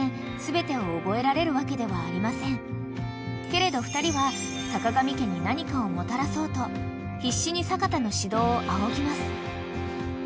［けれど２人はさかがみ家に何かをもたらそうと必死に阪田の指導を仰ぎます］